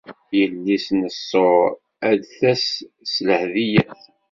Yelli-s n Ṣur ad d-tas s lehdiyat.